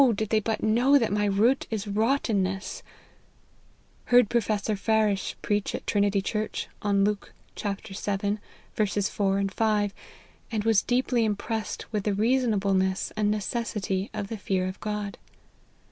did they but know that my root is rottenness !"" Heard Professor Parish preach at Trinity Church, on Luke xii. 4, 5, and was deeply impressed with the reasonableness and necessity of the fear of God.